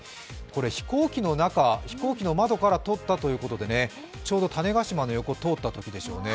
飛行機の中、飛行機の窓から撮ったということでちょうど種子島の横を通ったときでしょうね。